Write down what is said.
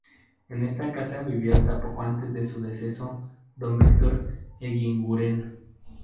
En esta casa vivió hasta poco antes de su deceso don Víctor Eguiguren.